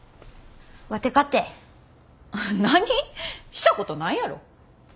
したことないやろ。